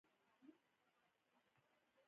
تښتي له جوماته مقتديانو ته پلمې کوي